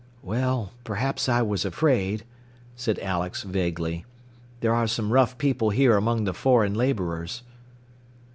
"Well perhaps I was afraid," said Alex vaguely. "There are some rough people here among the foreign laborers."